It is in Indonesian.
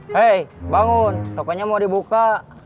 hei bangun tokonya mau dibuka